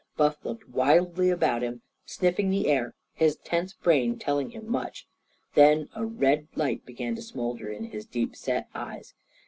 Buff looked wildly about him, sniffing the air, his tense brain telling him much. Then a red light began to smoulder in his deep set eyes.